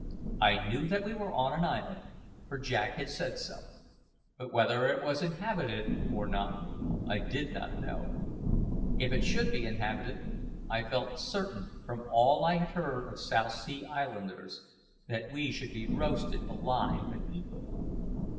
I knew that we were on an island, for Jack had said so; but whether it was inhabited or not, I did not know. If it should be inhabited, I felt certain, from all I had heard of South Sea Islanders, that we should be roasted alive and eaten.